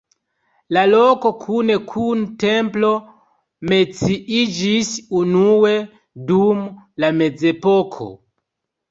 La loko kune kun templo menciiĝis unue dum la mezepoko.